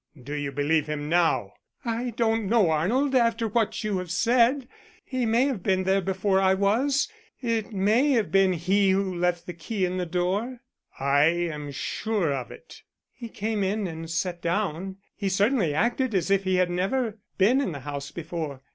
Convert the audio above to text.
"Do you believe him now?" "I don't know, Arnold, after what you have said. He may have been there before I was it may have been he who left the key in the door." "I am sure of it." "He came in and sat down he certainly acted as if he had never been in the house before.